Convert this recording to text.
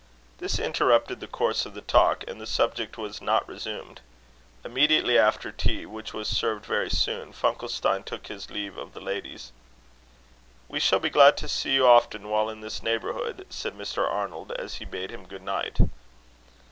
This interrupted the course of the talk, and the subject was not resumed. Immediately after tea, which was served very soon, Funkelstein took his leave of the ladies. "We shall be glad to see you often while in this neighbourhood," said Mr. Arnold, as he bade him good night.